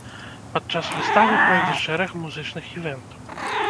Падчас выставы пройдзе шэраг музычных івентаў.